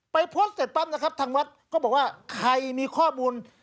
โพสต์เสร็จปั๊บนะครับทางวัดก็บอกว่าใครมีข้อมูล